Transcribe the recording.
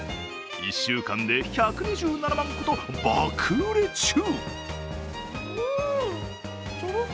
１週間で１２７万個と爆売れ中。